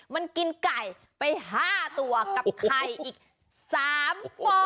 มันกินไก่ไป๕ตัวกับไข่อีก๓ฟอง